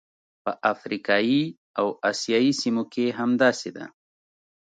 په افریقایي او اسیايي سیمو کې همداسې ده.